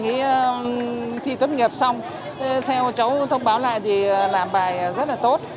khi thi tốt nghiệp xong theo cháu thông báo lại thì làm bài rất là tốt